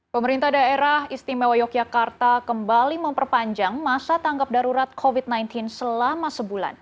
pemerintah daerah istimewa yogyakarta kembali memperpanjang masa tanggap darurat covid sembilan belas selama sebulan